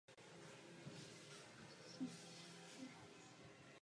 Ty se musí opírat o údaje a odůvodněná vědecká stanoviska.